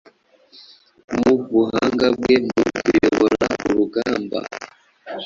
mu buhanga bwe mu kuyobora urugamba,